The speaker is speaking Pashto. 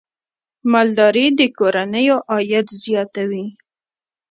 مالداري د کورنیو عاید زیاتوي.